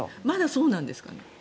まだそうなんですか？